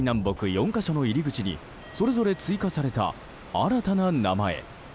４か所の入り口にそれぞれ追加された新たな名前。